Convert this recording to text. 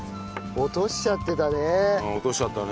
落としちゃってたね。